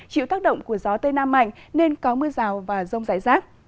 chịu tác động của gió tây nam mạnh nên có mưa rào và rông rải rác